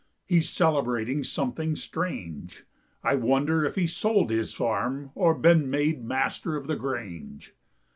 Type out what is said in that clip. He's celebrating something strange. I wonder if he's sold his farm, Or been made Master of the Grange."